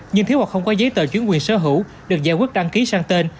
nhưng thiếu hoặc không có giấy tờ chứng quyền sở hữu được giải quyết đăng ký sang tên